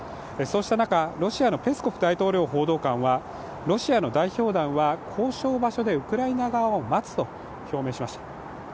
そうした中、ロシアのペスコフ大統領報道官はロシアの代表団は交渉場所でウクライナ側を待つと表明しました。